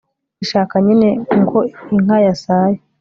ishaka nyine ngo iyo nka yasaye